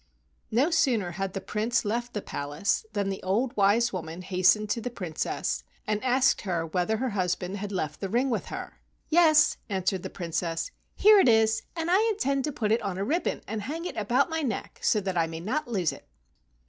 No sooner had the Prince left the palace than the old wise woman hastened to the Princess and asked her whether her husband had left the ring with her. "Yes," answered the Princess, "here it is, and I intend to put it on a ribbon and hang it about my neck so that I may not lose it."